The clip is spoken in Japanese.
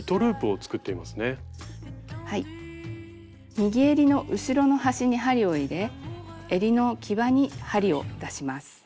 右えりの後ろの端に針を入れえりの際に針を出します。